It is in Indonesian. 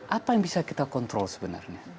apa yang bisa kita kontrol sebenarnya